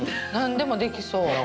何でもできそう。